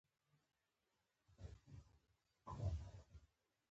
ثلث د خط؛ یو ډول دﺉ.